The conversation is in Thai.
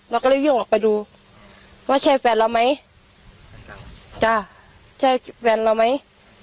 เราก็เลยวิ่งออกไปดูว่าใช่แฟนเราไหมจ้ะใช่แฟนเราไหม